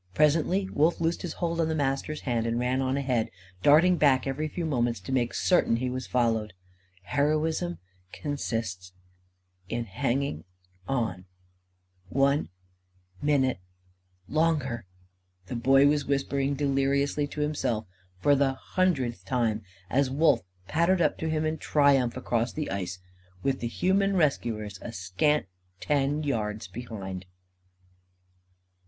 Presently, Wolf loosed his hold on the Master's hand and ran on ahead, darting back every few moments to make certain he was followed. "Heroism consists in hanging on one minute longer," the Boy was whispering deliriously to himself for the hundredth time; as Wolf pattered up to him in triumph, across the ice, with the human rescuers a scant ten yards behind.